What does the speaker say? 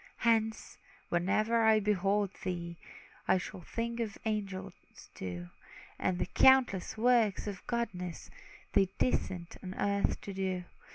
Hence, whenever I behold thee, I shall think of angels too; And the countless works of goodness They descend on earth to do.